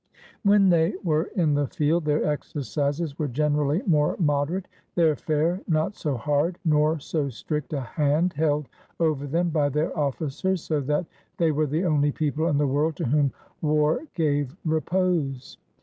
When they were in the field, their exercises were gen erally more moderate, their fare not so hard, nor so strict a hand held over them by their officers, so that they were the only people in the world to whom war gave repose.